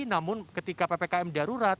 namun ketika ppkm darurat